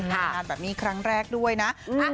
งานแบบนี้ครั้งแรกด้วยนะ